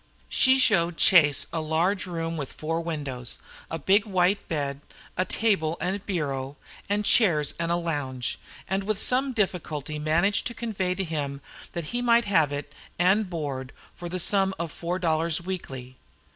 She showed Chase a large room with four windows, a big white bed, a table and bureau, and chairs and a lounge; and with some difficulty managed to convey to him that he might have it and board for the sum of four dollars weekly.